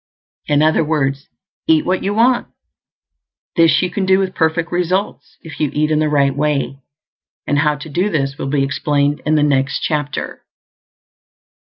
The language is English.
In other words, eat what you want. This you can do with perfect results if you eat in the right way; and how to do this will be explained in the next chapter.